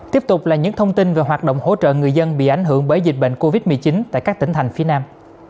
tiếp tục là những thông tin về hoạt động hỗ trợ người dân bị ảnh hưởng bởi dịch bệnh covid một mươi chín tại các tỉnh thành phía nam